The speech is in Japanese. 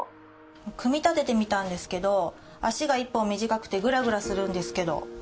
組み立ててみたんですけど脚が１本短くてグラグラするんですけど。